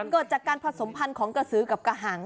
เกิดจากการผสมพันธุ์ของกระสือกับกระหัง